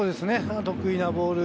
得意なボール。